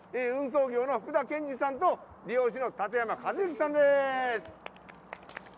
運送業の福田健治さんの理容師の立山和之さんです。